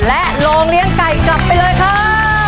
และโรงเลี้ยงไก่กลับไปเลยครับ